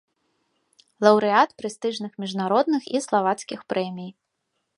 Лаўрэат прэстыжных міжнародных і славацкіх прэмій.